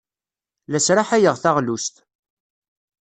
La sraḥayeɣ taɣlust.